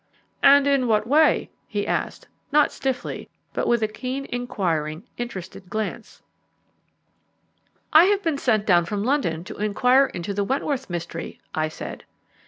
"And in what way?" he asked, not stiffly, but with a keen, inquiring, interested glance. "I have been sent down from London to inquire into the Wentworth mystery," I said.